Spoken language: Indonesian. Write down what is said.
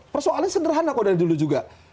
persoalannya sederhana kok dari dulu juga